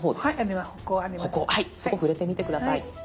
そこ触れてみて下さい。